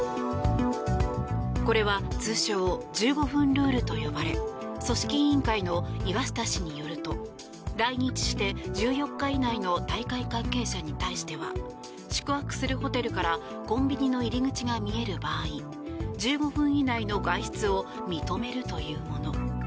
これは通称・１５分ルールと呼ばれ組織委員会の岩下氏によると来日して１４日以内の大会関係者に対しては宿泊するホテルからコンビニの入り口が見える場合１５分以内の外出を認めるというもの。